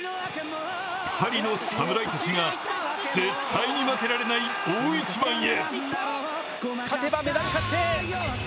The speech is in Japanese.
パリの侍たちが絶対に負けられない大一番へ。